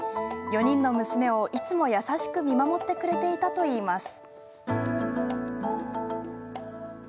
４人の娘を、いつも優しく見守ってくれていたといいます。